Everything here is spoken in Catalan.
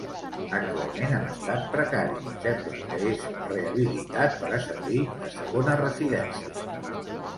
Actualment en estat precari, sembla que és rehabilitat per a servir de segona residència.